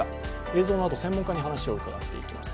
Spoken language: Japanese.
映像のあと、専門家に話を伺っていきます。